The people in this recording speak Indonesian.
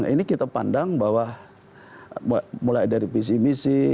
ini kita pandang bahwa mulai dari visi misi